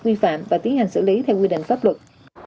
vi phạm và tiến hành xử lý theo quy định pháp luật